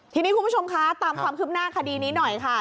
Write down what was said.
ทีนี้คุณผู้ชมคะตามความคืบหน้าคดีนี้หน่อยค่ะ